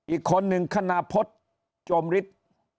อีกคนนึงขนาพจน์จมฤทธิ์